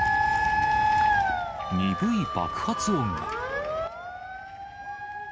鈍い爆発音が。